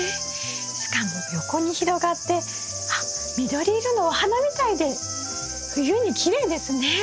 しかも横に広がってあっ緑色のお花みたいで冬にきれいですね。